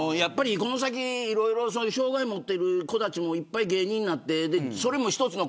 この先障害を持っている子たちもいっぱい芸人になってそれも一つの